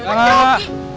enggak enggak enggak